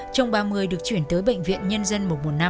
trong ba mươi được chuyển tới bệnh viện nhân dân một một năm